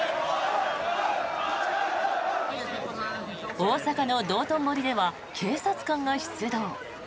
大阪の道頓堀では警察官が出動。